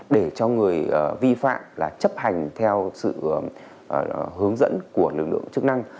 để cho người vi phạm là chấp hành theo sự hướng dẫn của lực lượng chức năng